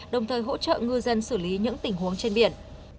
đồng thời hỗ trợ ngư dân xử lý những tình huống trên biển